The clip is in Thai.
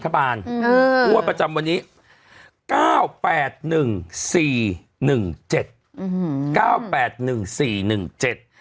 งวดประจำวันนี้เก้าแปดหนึ่งสี่หนึ่งเจ็ดอืมเก้าแปดหนึ่งสี่หนึ่งเจ็ด